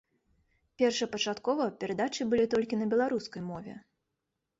Першапачаткова перадачы былі толькі на беларускай мове.